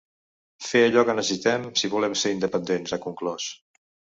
Fer allò que necessitem si volem ser independents, ha conclòs.